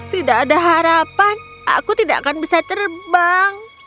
tidak ada harapan aku tidak akan bisa terbang